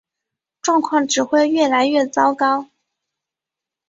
状况只会越来越糟糕